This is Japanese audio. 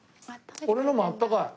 俺のもあったかい。